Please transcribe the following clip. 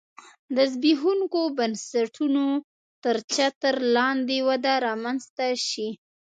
د زبېښونکو بنسټونو تر چتر لاندې وده رامنځته شي